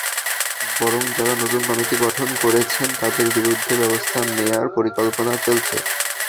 বরং যাঁরা নতুন কমিটি গঠন করেছেন, তাঁদের বিরুদ্ধে ব্যবস্থা নেওয়ার পরিকল্পনা চলছে।